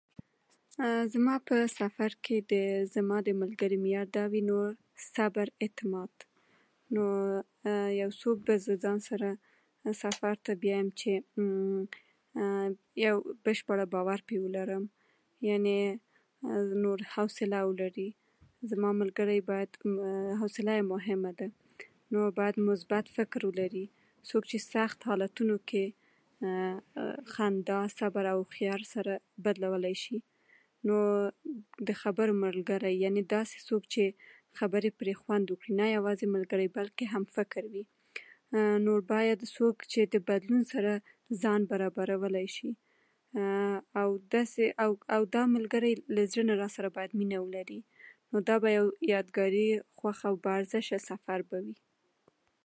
. هغه چې خندل، خندا يې داسې وه لکه چې خندا نه وه، بلکې يو ډول پټه اندېښنه وه.